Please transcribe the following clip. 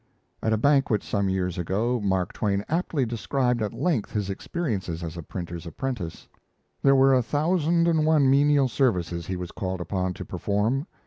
At a banquet some years ago, Mark Twain aptly described at length his experiences as a printer's apprentice. There were a thousand and one menial services he was called upon to perform.